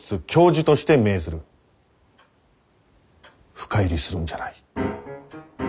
深入りするんじゃない。